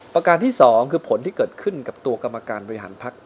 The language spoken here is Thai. ประการที่๒คือผลที่เกิดขึ้นกับตัวกรรมการบริหารพัก